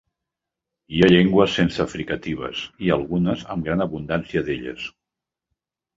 Hi ha llengües sense fricatives i algunes amb gran abundància d'elles.